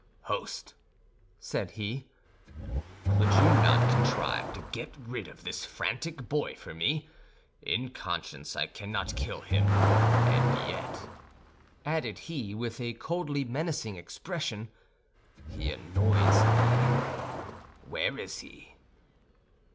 "Host," said he, "could you not contrive to get rid of this frantic boy for me? In conscience, I cannot kill him; and yet," added he, with a coldly menacing expression, "he annoys me. Where is he?"